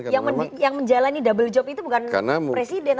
yang menjalani double job itu bukan presiden